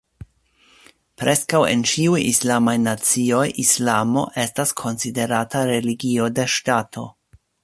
Preskaŭ en ĉiuj islamaj nacioj, Islamo estas konsiderata religio de ŝtato.